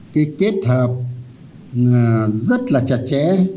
cái kết hợp rất là chặt chẽ